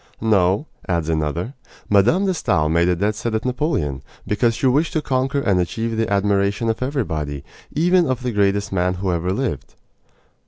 "No," adds another, "Mme. de Stael made a dead set at Napoleon, because she wished to conquer and achieve the admiration of everybody, even of the greatest man who ever lived."